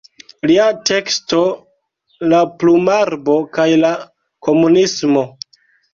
Lia teksto "La plumarbo kaj la komunismo.